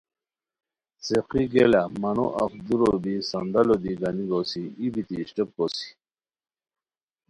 څیقی گیے لہ مانو اف دُورو بی صندلو دی گنی گوسی، ای بیتی اشٹوک کوسی